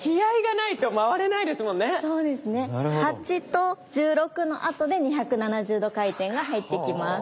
８と１６のあとで２７０度回転が入ってきます。